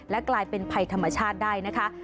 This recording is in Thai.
กลายเป็นภัยธรรมชาติได้นะคะ